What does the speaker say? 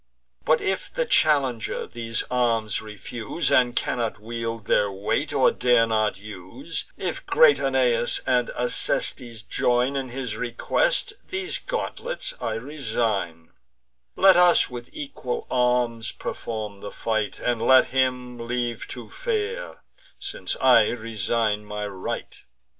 But if the challenger these arms refuse, And cannot wield their weight, or dare not use; If great Aeneas and Acestes join In his request, these gauntlets I resign; Let us with equal arms perform the fight, And let him leave to fear, since I resign my right."